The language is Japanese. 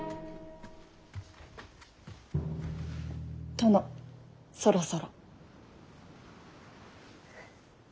殿そろそろ。